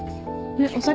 お酒？